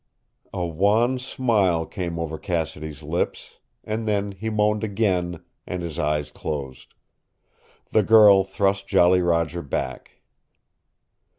A wan smile came over Cassidy's lips, and then he moaned again, and his eyes closed. The girl thrust Jolly Roger back.